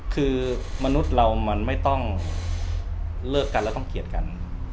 คือมนุษย์เรามันไม่ต้องเลิกกันแล้วต้องเกลียดกัน